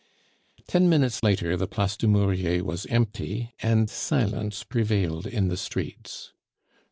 Ten minutes later the Place du Murier was empty, and silence prevailed in the streets.